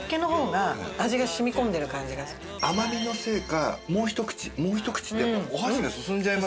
甘みのせいかもうひと口もうひと口ってやっぱお箸が進んじゃいますね。